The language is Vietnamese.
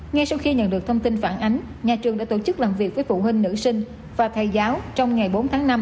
ngay sau khi nhận được thông tin phản ánh nhà trường đã tổ chức làm việc với phụ huynh nữ sinh và thầy giáo trong ngày bốn tháng năm